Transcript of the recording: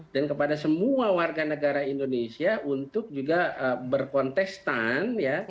dan kepada semua warga negara indonesia untuk juga berkontestan